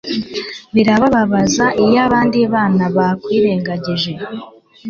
Birababaza iyo abandi bana bakwirengagije